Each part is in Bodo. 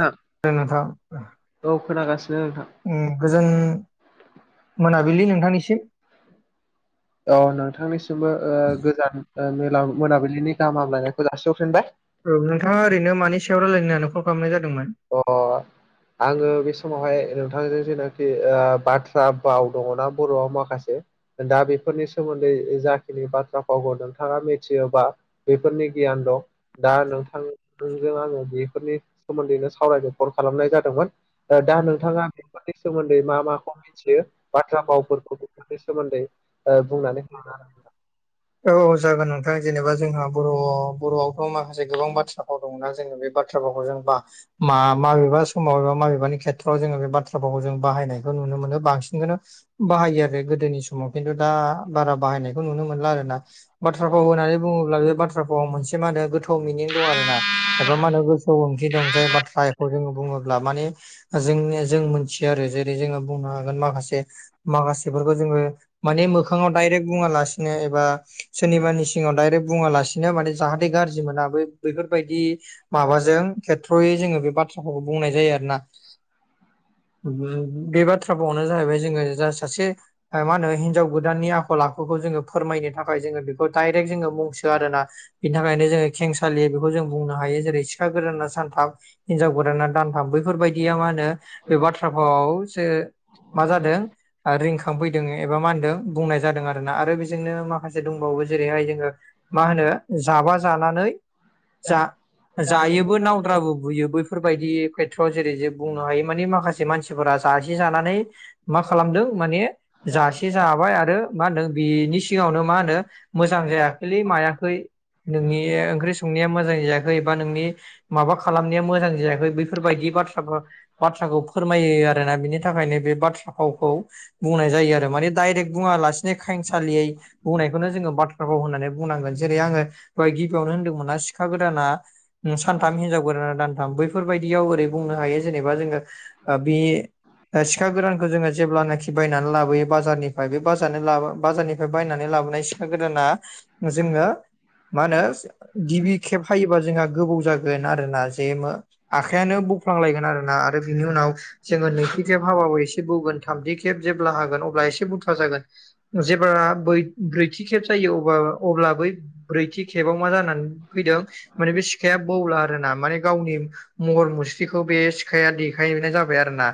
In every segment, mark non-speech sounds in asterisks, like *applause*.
नोंथां नोंथां औ खोनागासिनो नोंथां। उम्म गोजोन नोंथां मोनाबिलि नोंथांनिसिम। औ नोंथांनिसिमबो ओ गोजान ओ मोला मोनाबिलिनि गाहाम लायनायखौ जासिहफिनबाय। औ नोंथाङा ओरैनो मानि सायाव रायलायनो होननानै कल खालामनाय जादोंमोन? अ आंङो बे समावहाय नोंथांजों जेनाखि ओ बाथ्रा भाव दङना बर'आव माखासे दा बेफोरनि सोमोन्दै जाखिनि बाथ्रा फावखौ नोंथाङा मिथियोबा बेफोरनि गियान दं। दा नोंथांजों आंङो बेफोरनि सोमोन्दैनो सावरायनो कल खालामनाय जादोंमोन। दा नोंथाङा बेफोरनि सोमोन्दै मा माखौ मिथियो बाथ्रा भावफोरखौ बेफोरनि सोमोन्दै *unintelligible* ओ बुंनानै औ औ जागोन नोंथां जेनेबा जोंहा बर' बर'आवथ' माखासे गोबां बाथ्रा दं जों बे बाथ्राफोरखौ जों माबेबा समावबा माबेबा खेथ्र आव बे बाथ्रा फावखौ बाहायनायखौ नुनो मोन बांसिनखोनो बाहायो आरो गोदोनि समाव समाव खिन्थु दा बारा बाहायनायखौ नुनो मोनला आरोना बाथ्रा भाव होननानै बुङोब्ला बे बाथ्रा बाथ्रा भावाव मोनसे मा होनो गोथ थौ मिनिं दं आरो ना एबा मा होनो गोसौ ओंथि दं जाय बाथ्राखौ जोंङो बुङोब्ला माने जोंनि जों मोनथियो आरो जेरै जों बुंनो हागोन माखासे माखासेफोरखौ जोङो माने मोखाङाव दडाइरेक्ट बुङा लासिनो एबा सोरनिबानिसि सिङाव दडायरेक्ट बुङालासिनो माने जाहाथे गाज्रि मोना बै बेैफोरबायदि माबाजों खेथ्र'यै जोङो बे बाथ्राखौ बुंनाय जायो आरो ना। बे बाथ्रा भाव आनो जाहैबाय जोङो जा सासे ओ मा होनो हिनजाव गोदाननि आखल आखुखौ जोङो फोरमायनो थाखाय जोङो बेखौ डाइरेक्ट जोङो मुंसो आरोना बिनि थाखायनो जोङो खेंसालियै बेखौ जों बुंनो हायो जेरै सिखा गोदाना सानथाम हिनजाव गोदाना दानथाम बैफोरबायदिया मा होनो बे बाथ्राफ्राव जे मा जादों रिंखांफैदों एबा मा होनदों बुंनाय जादों आरोना आरो बेजोंनो मा माखासे दंबावो जेरैहाय जोङो मा होनो जाबा जानानै जा जायोबो नावद्राबो बुयो बैफोर फोरबायदि खेथ्रआव जेरै जे बुंनो हायो माने माखासे मानसिफोरा जासि जानानै मा खालामदों माने जासे जाबाय आरो मा होनदों बेनि सिगावनो मा होनो मोजां जायाखैलै मायाखै नोंनि ओंख्रि संनाया मोजां जायाखै बा नोंनि माबा खालामनाया मोजां जायाखै बेफोरबायदि बाथ्राफा बाथ्राखौ फोरमायो आरोना बिनि थाखायनो बे बाथ्रा फावखौ बुंनाय जायो आरो माने दडाइरेक्ट बुङालासिनो खेंसालियै बुंनायखौनो जोङो बाथ्राफाव होननानै बुंनांगोन जेरै आङो बेाय गिबियावनो होनदोंमोना सिखा गोदाना सानथाम हिनजाव गोदाना दानथाम बै बेफोरबायदियाव ओरै बुंनो हायो जेनेबा जोङो ओ बे दा सिखा गोरानखौ जोङो जेब्लानाखि बायनानै लाबोयो बाजारनिफ्राय बे बाजारनिफ्राय फ्राय बायनानै लाबोनाय सिखा गोदाना जोङो मा होनो गिबि खेब हायोबा जोंहा गोबाव जागोन आरोना जे मा आखायानो बौफ्लांलायगोन आरोना आरो बिनि उनाव जोङो नैथि खेब हाबा बो एसे बौगोन थामथि खेब जेब्ला हागोन अब्ला एसे बुथुवा जागोन जेब्ला बै ब्रैथि खेब जायो अबा अब्ला बै ब्रैथि खेबाव मा जानानै फैदों माने बे सिखाया बौला आरो ना माने गावनि महर मुस्रिखौ बे सिखाया देखायनाय जाबाय आरो ना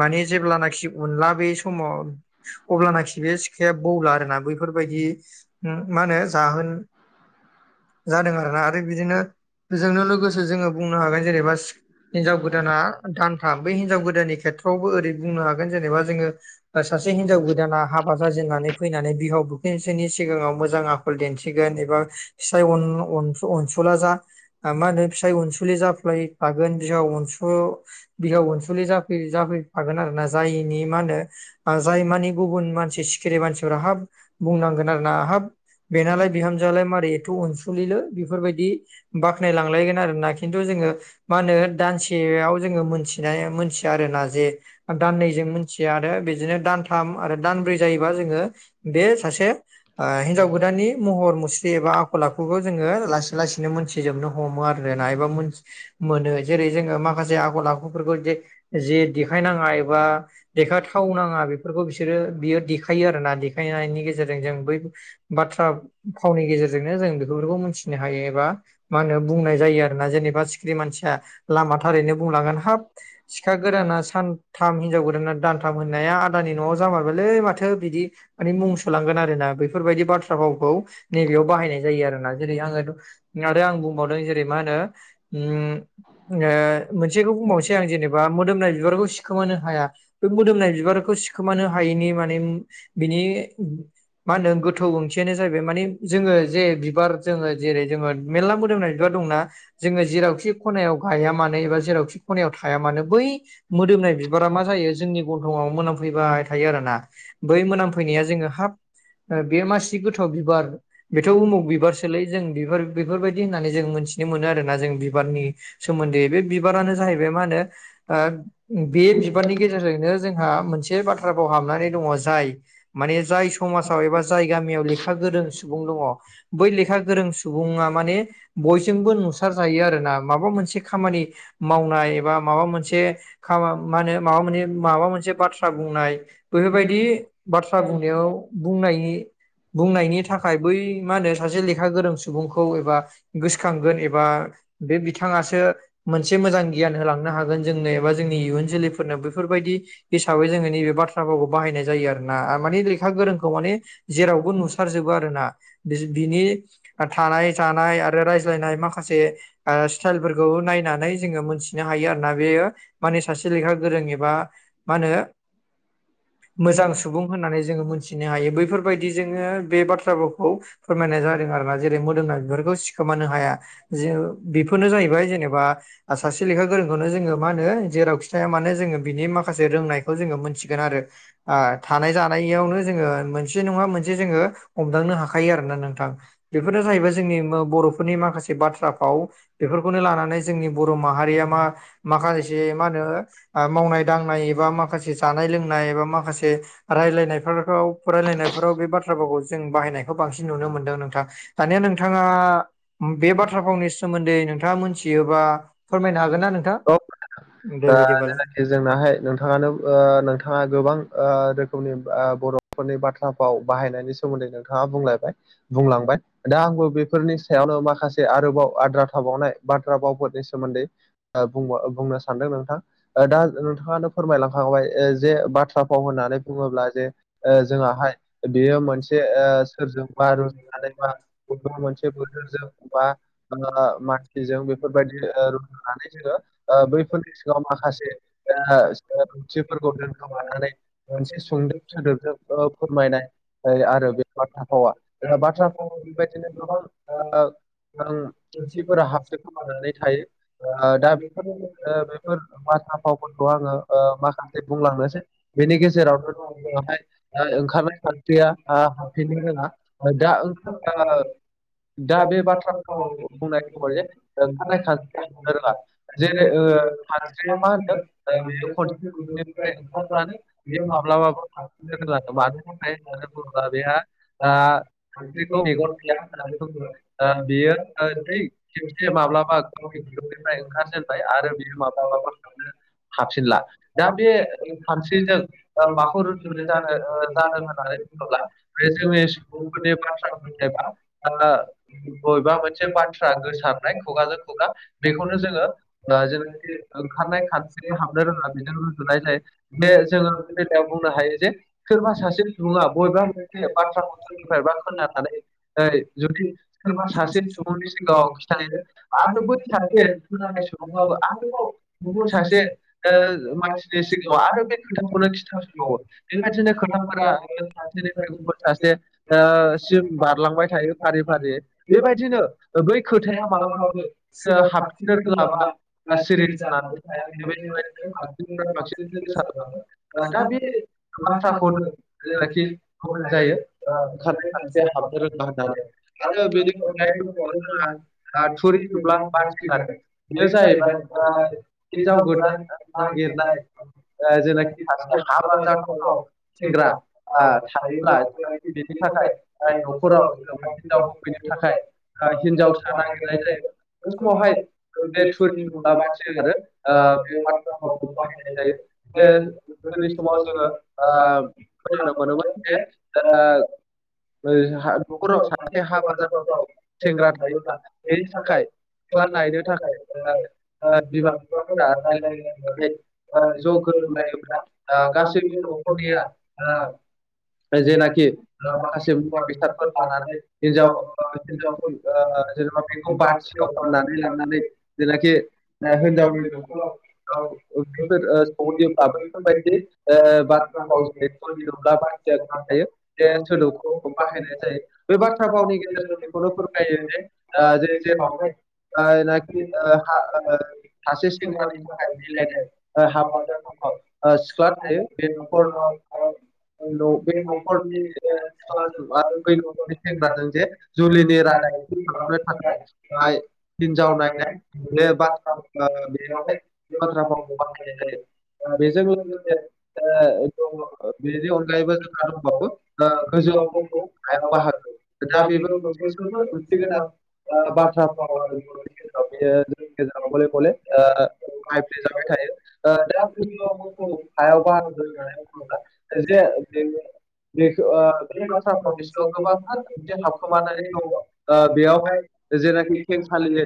माने जेब्लानाखि उनला बे समाव अब्लानाखि बे सिखाया बौला आरोना बै फोरबायदि माहोनो जाहोन जादों आरोना। आरो बिदिनो बेजोंनो लोगोसे जोङो बुंनो हागोन जेनेबा हिनजाव गोदाना दानथाम। बै हिनजाव गोदाननि खेथ्रआवबो ओरै बुंनो हागोन जेनेबा जोङो सासे हिन्जाव गोदाना हाबा जाजेननानै फैनानै बिहाव बुखुनजोनि सिगाङाव मोजां आखल दिन्थिगोन एबा फिसाय अन-अनसुला जा मा होनो फिसाय अनसुलि जाफ्लायो फागोन बिहाव अनसु बिहाव अनसुलि जाफै जाफैफागोन आरोना जायिनि मा होनो जाय मानि गुबुन मानसि सिखिरि मानसिफोरा हाब बुंनांगोन आरो ना आ हाब बेनालाय बिहामजोआालाय मारै एथ' अनसुलिलै बेफोरबायदि बाख्नायलांलायगोन आरोना खिन्थु जोङो मा होनो दानसेयाव जोङो मोनथिनाय मिनथिया आरोना जे दाननैजों मोनथिया आरो बिदिनो दान थाम आरो दानब्रै जायोबा जोङो बे सासे हिनजाव ओ गोदाननि महर मुस्रि एबा आखल आखुखौ जोङो लासै लासैनो मोनथिजोबनो हमो आरो ना एबा मोनो जेरै जोङो माखासे आखल आखुफोरखौ जे-जे देखायनाङा एबा देखायथावनाङा बे फोरखौ बिसोरो बियो देखायो आरो ना देखायनायनि गेजेरजों जों बै बाथ्रा फावनि गेजेरजोंनो जों बेफोरखौ मिथिनो हायो एबा मा होनो बुंनाय जायो आरोना जेनेबा सिखिरि मानसिया लामा थारैनो बुंलांगोन हाब सिखा गोदाना सानथाम हिनजाव गोदाना दानथाम होननाया आदानि न'आव जामारबायलै माथो बिदि माने मुंसुलांगोन आरोना। बेफोरबायदि बाथ्रा भावखौ नैबेयाव बाहायनाय जायो आरोना। जेरै आङो आरो आं बुंबावदों जेरै मा होनो उम ओ मोनसेखौ बुंबावनोसै आं जेनेबा मोदोमनाय बिबारखौ सिखोमानो हाया बे मोदोमनाय बिबारखौ सिखोमानो हायैनि माने बिनि मा होनो गोथौ ओंथियानो जाहैबाय माने जोङो जे बिबार जोङो जेरै जोङो मेरला मोदोमनाय बिबार दंना जोङो जेरावखि खनायाव गाया मानो एबा जेखि ख'नायाव थाया मानो बै मोदोमनाय बिबारा मा जायो जोंनि ग थंआव मोनामफैबाय थायो आरो ना बै मोनामफैनाया जोङो हाब बे मासि गोथाव बिबार बेथ' उमुख बिबारसोलै जों बिबार बेफोरबायदि होननानै जों मोनथि मोनो आरोना जों बिबारनि सोमोन्दै। बे बिबारानो जाहैबाय मा होनो ओ बे बिबारनि गेजेरजोंनो जोंहा मोनसे बाथ्राखौाव हाबनानै दङ जाय माने जाय समाजाव एबा जाय गामियाव लेखा गोरों सुबुं दङ बै लेखा गोरों सुबुङा माने बयजोंबो नुसारजायो आरो ना माबा मोनसे खामानि मावनाय एबा माबा मोनसे खा माहोनो माबा माने माबा मोनसे बाथ्रा बुंनाय बेफोरबायदि बाथ्रा बुंनायाव बुंनायनि बुंनायनि थाखाय बै मा होनो सासे लेखा गोरों सुबुंखौ एबा गोसोखांगोन एबा बे बिथाङासो मोनसे मोजां गियान होलांनो हागोन जोंनो एबा जोंनि इयुन जोलैफोरनो बेफोरबायदि। हिसाबै जोङो नैबे बाथ्राभावखौ बाहायनाय जायो आरो ना आ माने लेखा गोरोंखौ माने जेरावबो नुसारजोबा आरो ना बि बिनि आ थानाय थानाय आ आरो रायज्लायनाय माखासे आ स्टाइलफोरखौ नायना नानै जोङो मोनथिनो हायो आरोना बेयो माने सासे लेखा गोरों एबा मा होनो मोजां सुबुं होननानै जोङो मोनथिनो हायो बैफोरबायदि जोङो बे बाथ्राफोरखौ फोरमायनाय जादों आरो ना। जेरै मोदोमनाय बिबारखौ सिखोमानो हाया जे बेफोरनो जाहैबाय जेनेबा ओ सासे लेखा गोरोंखौनो जोङो मा होनो जेरावखि थाया मानो जोङो बिनि माखासे रोंनायखौ जोङो मोनथिगोन आरो। आ थानाय जानायावनो जोङो मोनसे नङा मोनसे जोङो हमदांनो हाखायो आरो ना नोंथां। बेफोरनो जाहैबाय जोंनि मो बर'फोरनि माखासे बाथ्रा फाव बेफोरखौनो लानानै जोंनि बर' माहारिया मा माखासे मा होनो आ मावनाय-दांनाय एबा माखासे जानाय लोंनाय एबा माखासे रायलायनायफोरखौ फरायलायनायफोराव बे बाथ्राफोरखौ जों बाहायनायखौ बांसिन नुनो मोनदों नोंथां। दानिया नोंथाङा बे बाथ्रा फावनि सोमोन्दै नोंथाङा मोनथियोबा फोरमायनो हागोन ना नोंथां? औ ओ दे बिदिबालाय। जेनाखि जोंनाहाय नोंथाङानो ओ नोंथाङा गोबां ओ रोखोमनि ओ बर' फोरनि बाथ्रा भाव बाहायनायनि सोमोन्दै नोंथाङा बुंलायबाय बुंलांबाय। दा आंबो बेफोरनि सायावनो माखासे आरोबाव आद्रा थाबावनाय बाथ्रा बावफोरनि स सोमोन्दै ओ बुंबो बुंनो सानदों नोंथां ओ दा नोंथाङानो फोरमायलां। आंलाय ओ जे बाथ्रा फाव होननानै बुङोब्ला जे ओ जोंआहाय बेयो मोनसे ओ सोरजोंबा रुजुजानाय बा गुबुन मोनसे बोथोरजों बा ओ मानसिजों बेफोरबायदि ओ रुजुनानै जोङो ओ बैफोरनि सिगाङाव माखासे ओ *unintelligible* फोरखौ दोनखोमानानै मोनसे सुंदोब सोदोबजों ओ फोरमायनाय। ओ आरो बे बाथ्रा फावा ओ बाथ्रा बेबादिनो ओ ओं। खिफोरा *unintelligible* थायो ओ दा बेफोर ओ बेफोर बाथ्रा फावफोरखौ आङो ओ माखासे बुंलांनोसै। बेनि गेजेरावनोहाय बेवहाय ओंखारनो सिया आ *unintelligible* दा बे बाथ्राफोरखौ बुंनाय खबर जे ओंखारनाय खानस्रिया हाबनो रोङा जेरै ओ खानस्रिङा मा होनदों ओ बे बि खनसे ओ ओंखारबानो बे माब्लाबो हाबनो रोङा मानो थाखाय होनना बुङोब्ला बेहा आ *unintelligible* गैया होननानै ओ बुं बियो ओ बै खेबसे माब्ला *unintelligible* ओंखारजेनबाय आरो बेयो माब्लाबाबो हाबफिनला दा बे सानस्रिजों ओ माखौ रों जानो ओ जादों होननानै ओ जोंनि माने बाथ्रा खोनदोबा ओ बबेबा मोनसे बाथ्रा गोसारनाय खुगाजों खुगा बेखौनो जोङो ओ जेनिखि ओंखारनाय खानस्रिखौ हाबनो रोङा बेजों रुजुनाय जायो। बे जोङो बे बेलायाव बुंनो हायो जे सोरबा सासे सुबुङा बबेबा बाथ्राखौ सोरबाबा खोनाजानाय ओइ जुदि सोरबा सासे सुबुंनि सिगाङाव खिथानाय आरो बै सासे सुबुंखोबो आरो सासे ओ मानसि जेसिगाङाव आरो बे खोथाखौनो खिथाफिनबावो बेबायदिनो खोथाफोरा *unintelligible* सासे ओ सिम बारलांबाय। थायो फारि फारि बे बेबायदिनो बादिनो बै बै‌ खोथाया मालाबाबो *unintelligible* माबा हाबफिननो रोङाबा बांसिनसो सिरि बांसिननिफ्राय बांसिन गोसा गाबो ओ गोसारलाङो दा बे बाथ्रा बाथ्राखौ बुंदों जायनाखि जायनोखि बुंनाय जायो ओंखारनाय सानस्रिया खानसिया हाबनो रोङा रोड़ा होननानै आरो बेनि बिनि अनगायै बो दंबावो जोंहा दा थुरि नुब्ला बाथि गारो बे जाहैबाय ओ हिनजाव गोदान नागिरनाय *unintelligible* ओ जेनाखि सासे हाबा जाथावथाव सेंग्रा ओ थायोब्ला जों *unintelligible* बेनि थाखाय ओ न'खराव जों हिनजाव होफैनो थाखाय ओ हिनजावसा नागिरनाय जायो। *unintelligible* समावहाय बे समाव बे थुरिनुबा थुरि नुब्ला बाथी मानसि लागोन गारो ओ बे भावखौ बाथ्रा बाहायनाय जायो भावखौ बाहायनाय जे जायो गोदोनि उन्दै जों समाव जोङो ओ मोनोमोन खोनानो जे मोनोमोन जे ओ न'खराव सासे हाबा जानाय सेंग्रा थानाय बेनि थाखाय सिख्लानायनो थाखाय रायलायलायनानै *unintelligible* ज' गोरोब गोरोबलायोब्ला लायोब्ला गासैबो नखरनिया जेनाखि माखासे बेसादफोर लानानै हिनजाव हिनजावफोरखौ जेनेबा बेखौ बाथि सिखाव बाहेरायाव फाननानै लांनानै जेनाखि हिनजावनि ओंख्रिफोर ओ *unintelligible* सौहैयोब्ला बैफोरबायदि ओ बाथ्राफाव बाथ्राखौ जेरै बाथिया थायो बे सोदोबखौ बाहायनाय *unintelligible* *unintelligible* *unintelligible* जायो बे बाथ्रा फावनि गेजेरजों बेखौनो फोरमायो ओ जे जेराव जायनाखि ओ हा ओ सासे सेंग्रानि थाखाय मिलायनाय ओ हाबा समाव जाथाव ओ थाव सिख्ला थायो बे नखराव बे नखरनि सिख्लाजों *unintelligible* फै सेंग्राजों जे जुलिनि रादाय खालामनो थाखाय हिनजाव नायनाय बे बाथ्रा बे *unintelligible* बाथ्रा फावखौ बाहायनाय जायो बेजों लोगोसे *unintelligible* बेनि अनगायैबो जोंहा दंबावो ओ गोजौआव *unintelligible* बाहागो दा बेबो मोनसे ओंथि गोनां बाथ्रा बियो *unintelligible* *unintelligible* दा गोजौआव मोफौ *unintelligible* होनोब्ला जे बे बेखौ ओ बे बाथ्राफोरावनि *unintelligible* सिङाव गोबांथार मोनसे हाबखोमानानै दं ओ *unintelligible* बेयावहाय जेनाखि खेंसालियै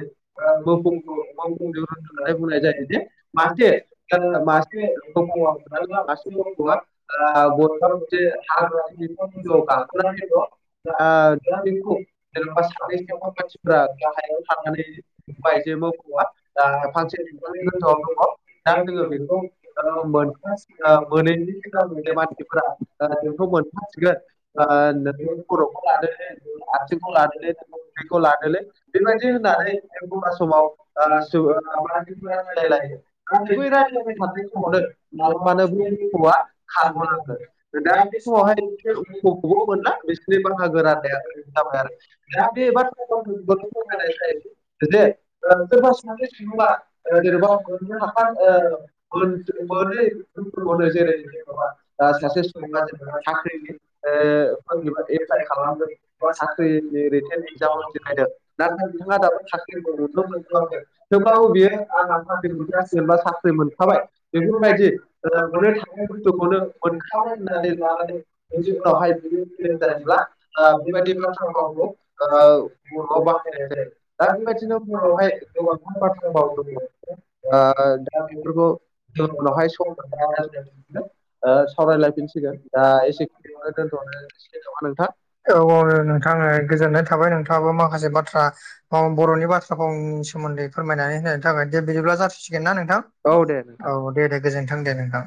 मोफौ मोफौ होननानै बुंनाय जायो जे मासे ओ ओ मासे मोफौ मासे गथ'आ *unintelligible* आ बबेबा बयबा मोनसे हाग्रा जिबआव गाखोनानै मोनसे दङ *unintelligible* *unintelligible* ओ ओमफ्राय बेखौ बे जेनेबा सानैसोखौ मानसिफ्रा थानानै नुबाय जे मोफौआ दा फांसे बिफांनि गोजौआव दं दा जों बेखौ ओ मोन ओ मोनै *unintelligible* *unintelligible* लादोलै नोंनि उदैखौ लादोलै बेबायदि होननानै *unintelligible* एखमबा समाव ओ सुबुं *unintelligible* बै रायलायनो हमदों मानो बै मोसौआ *unintelligible* खारग'लाङो दा बे समावहाय मोसौखौबो मोनला *unintelligible* बिसोरनि बाहागो राननाया जाबाय आरो दा बे बाथ्राखौ *unintelligible* जे सोरबा सोरबा जेनेबा *unintelligible* मोनो जेरै सासे सुबुङा जेनेबा साख्रिनि *unintelligible* जेनेबा एप्लाइ खालामदों साख्रिनि रिटेन एगजाम होसोनायदों *unintelligible* नाथाय बिथाङा दाबो साख्रिखौ मोननो मोनथ'वाखै थेवब्लाबो बियो *unintelligible* जेनेबा साख्रि मोनखाबाय बेफोरबायदि मोननो थाङै *unintelligible* बुस्थुखौनो मोनखाबाय होननानै उनावहाय *unintelligible* जायोब्ला बेबायदि बाथ्राखौ बाहायनाय जायो दा *unintelligible* बेबायदिनो उनावहाय गोबां बाथ्राफोराव दङ बेफोरखौ *unintelligible* उनावहाय स *unintelligible* ओ सावरायलायफिनसिगोन दा एसेखिनिखौनो दोनथ'नोसै नामा नोंथां। औ औ नोंथां ओ गोजोननाय थाबाय नोंथाङाबो माखासे बाथ्रा बर'नि बाथ्रा फावनि सोमोन्दै फोरमायनानै होननि थाखाय दे बिदिब्ला जासिगोन ना नोंथां। औ दे नोंथां औ दे दे गोजोनथों दे नोंथां।